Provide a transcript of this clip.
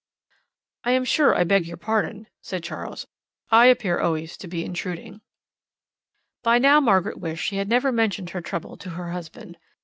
"I am sure I beg your pardon," said Charles. "I appear always to be intruding." By now Margaret wished she had never mentioned her trouble to her husband.